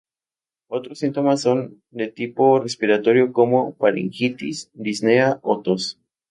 Otros síntomas son de tipo respiratorio como faringitis, disnea o tos.